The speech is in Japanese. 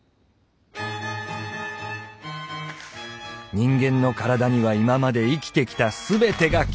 人間の体には今まで生きてきた全てが記憶されている。